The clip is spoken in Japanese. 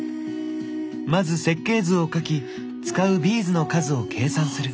まず設計図を書き使うビーズの数を計算する。